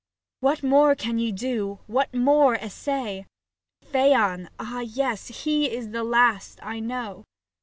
What more can ye do, what more essay ? Phaon ! ah yes, he is the last, I know.